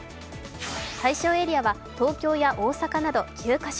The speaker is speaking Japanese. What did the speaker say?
対象エリアは東京や大阪など９か所。